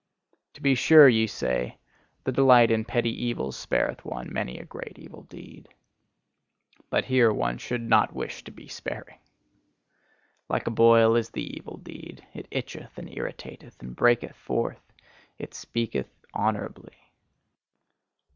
To be sure, ye say: "The delight in petty evils spareth one many a great evil deed." But here one should not wish to be sparing. Like a boil is the evil deed: it itcheth and irritateth and breaketh forth it speaketh honourably.